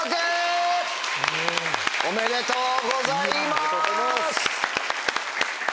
おめでとうございます！